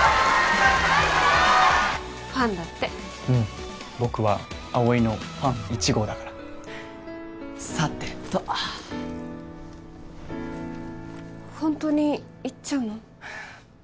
ファンだってうん僕は葵のファン１号だからさてとホントに行っちゃうの？